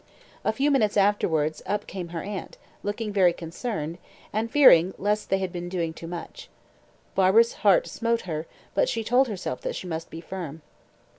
A few minutes afterwards up came her aunt, looking very concerned, and fearing lest they had been doing too much. Barbara's heart smote her, but she told herself that she must be firm.